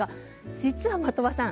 実は的場さん